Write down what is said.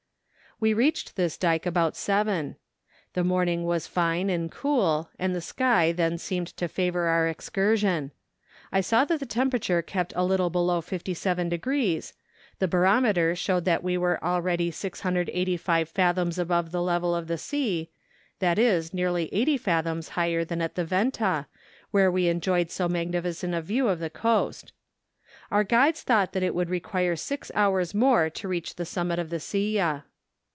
We reached this dyke about seven. The morning was fine and cool, and the sky then seemed to favour our excursion. I saw that the thermometer kept a little below 57°. The barometer showed that we were already 685 fathoms above the level of the sea—that is, nearly 80 fathoms higher than at the Venta, where we enjoyed so magnificent a view of the coast. Our guides thought that it would require six hours more to reach the summit of the Silla.